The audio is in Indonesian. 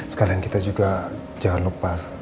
sekarang kita juga jangan lupa